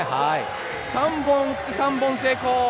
３本打って３本成功。